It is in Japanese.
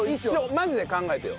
マジで考えてよ。